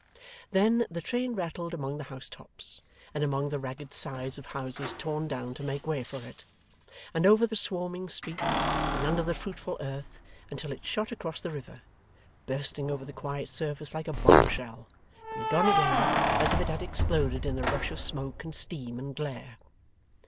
Then, the train rattled among the house tops, and among the ragged sides of houses torn down to make way for it, and over the swarming streets, and under the fruitful earth, until it shot across the river: bursting over the quiet surface like a bomb shell, and gone again as if it had exploded in the rush of smoke and steam and glare.